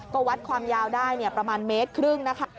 ก็วัดความยาวได้ประมาณเมตรครึ่งนะคะ